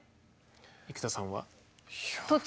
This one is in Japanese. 生田さんは？いや。